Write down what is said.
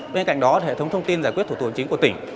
bên cạnh đó hệ thống thông tin giải quyết thủ tục hành chính của tỉnh